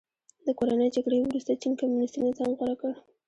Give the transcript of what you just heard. د کورنۍ جګړې وروسته چین کمونیستي نظام غوره کړ.